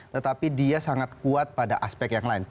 tetapi dia sangat kuat pada aspek yang lain